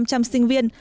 với ba sinh viên